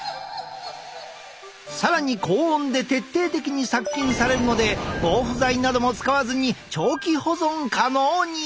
更に高温で徹底的に殺菌されるので防腐剤なども使わずに長期保存可能に！